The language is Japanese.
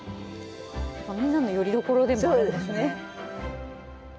みんなのよりどころでもあるんですね。